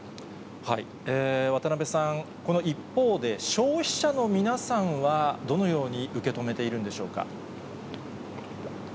渡邉さん、この一方で、消費者の皆さんはどのように受け止めているんでしょうか。